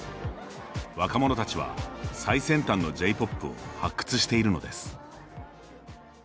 若者たちは、最先端のＪ−ＰＯＰを発掘しているのです。